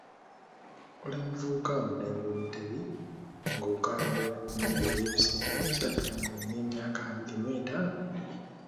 Oli muvubuka wa mulembe Omutebi ng'okaayanira nnyumba ey'ebisenge ebisatu ng'olina emyaka abiri mu etaano.